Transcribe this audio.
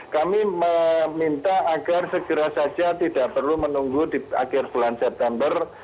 kami meminta agar segera saja tidak perlu menunggu di akhir bulan september